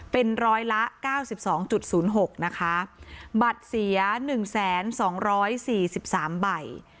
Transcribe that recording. เป็นร้อยละเก้าสิบสองจุดศูนย์หกนะคะบัตรเสียหนึ่งแสนสองร้อยสี่สิบสามใบ